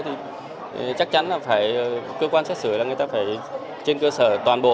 thì chắc chắn là phải cơ quan xét xử là người ta phải trên cơ sở toàn bộ